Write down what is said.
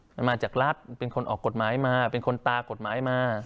มันมาจากรัฐเป็นคนออกกฎหมายมาเป็นคนตากฎหมายมา